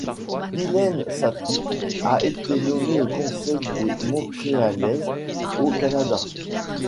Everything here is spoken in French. Ghislaine Sathoud a été nommée au Conseil des Montréalaises au Canada.